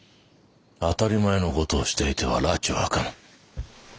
当たり前の事をしていては埒は明かぬ。